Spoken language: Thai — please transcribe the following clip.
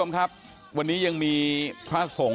แล้วอันนี้ก็เปิดแล้ว